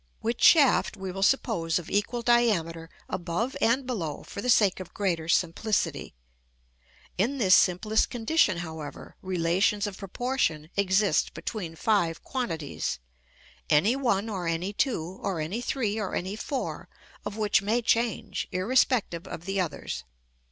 which shaft we will suppose of equal diameter above and below for the sake of greater simplicity: in this simplest condition, however, relations of proportion exist between five quantities, any one or any two, or any three, or any four of which may change, irrespective of the others.